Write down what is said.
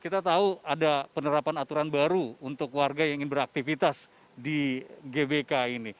kita tahu ada penerapan aturan baru untuk warga yang ingin beraktivitas di gbk ini